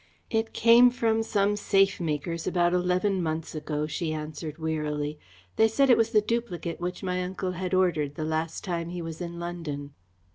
"It came from some safe makers about eleven months ago," she answered wearily. "They said it was the duplicate which my uncle had ordered the last time he was in London."